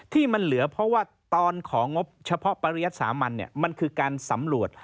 ที่มันเหลือเพราะว่าตอนของงบเฉพาะปริยัติสามัญมันมันคือการสำรวจ